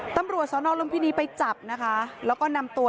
ตำรวจสอนอลุมพินีไปจับนะคะแล้วก็นำตัว